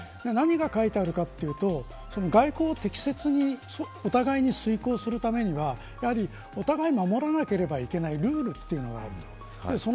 何が書いてあるかというと外交を適切にお互いに遂行するためにお互い守らなければいけないルールというものがある。